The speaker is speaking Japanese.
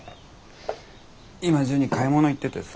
今ジュニ買い物行っててさ。